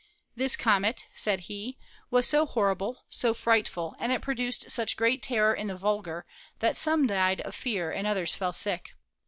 "This comet," said he, "was so hor rible, so frightful, and it produced such great terror in the vulgar, that some died of fear and others fell sick.